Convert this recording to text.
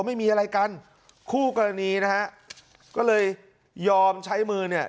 ไม่มีอะไรกันคู่กรณีนะฮะก็เลยยอมใช้มือเนี่ย